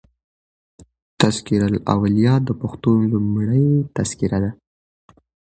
"تذکرة الاولیا" دپښتو لومړۍ تذکره ده.